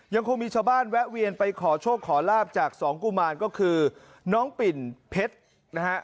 ยังคงมีชาวบ้านแวะเวียนไปขอโชคขอลาบจากสองกุมารก็คือน้องปิ่นเพชรนะฮะ